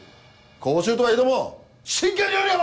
講習とはいえども真剣にやれよ！